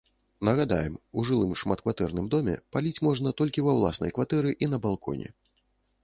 Нагадаем, у жылым шматкватэрным доме паліць можна толькі ва ўласнай кватэры і на балконе.